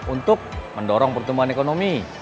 untuk mendorong pertumbuhan ekonomi